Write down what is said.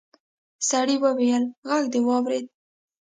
سړي وويل غږ دې واورېد.